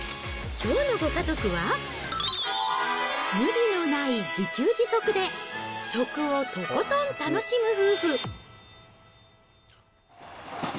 きょうのご家族は、無理のない自給自足で食をとことん楽しむ夫婦。